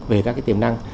về các cái tiềm năng